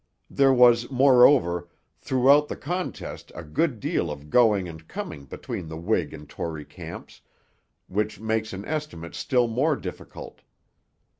There was, moreover, throughout the contest a good deal of going and coming between the Whig and Tory camps, which makes an estimate still more difficult.